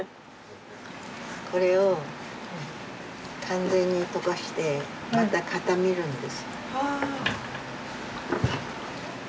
これを完全に溶かしてまた固めるんです。